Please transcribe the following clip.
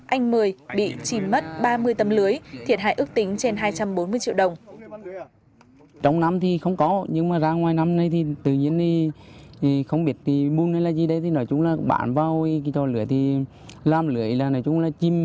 anh mười bị chìm mất ba mươi tấm lưới thiệt hại ước tính trên hai trăm bốn mươi triệu đồng